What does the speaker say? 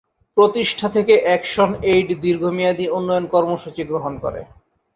প্রতিষ্ঠা থেকে অ্যাকশন-এইড দীর্ঘমেয়াদি উন্নয়ন কর্মসূচি গ্রহণ করে।